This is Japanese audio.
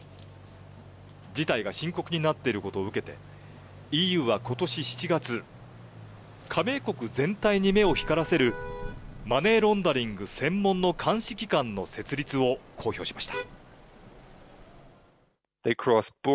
事態が深刻になっていることを受けて、ＥＵはことし７月、加盟国全体に目を光らせる、マネーロンダリング専門の監視機関の設立を公表しました。